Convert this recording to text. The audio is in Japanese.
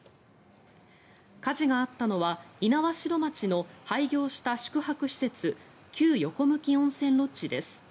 火事があったのは猪苗代町の廃業した宿泊施設旧横向温泉ロッジです。